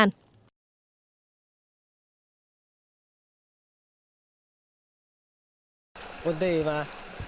ngoại truyền thông tin của bản nậm pẳng lan nhanh